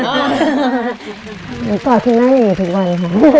หนูกอดที่หน้าอยู่ทุกวัน